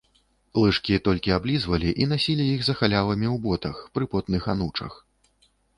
Лыжкі толькі аблізвалі і насілі іх за халявамі ў ботах, пры потных анучах.